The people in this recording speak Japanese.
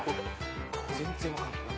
全然分かんない。